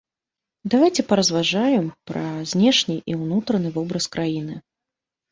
Давайце паразважаем пра знешні і ўнутраны вобраз краіны.